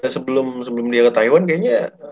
sebelum dia ke taiwan kayaknya